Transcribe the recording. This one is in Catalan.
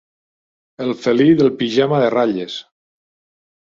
El felí del pijama de ratlles.